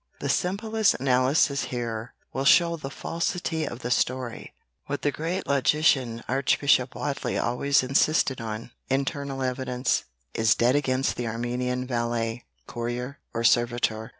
The simplest analysis here will show the falsity of the story; what the great logician Archbishop Whately always insisted on "internal evidence" is dead against the Armenian valet, courier, or servitor.